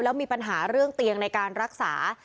แล้วมีปัญหาเรื่องเตียงในการรักษา